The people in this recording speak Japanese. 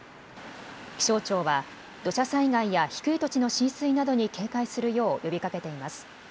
気象庁は土砂災害や低い土地の浸水などに警戒するよう呼びかけています。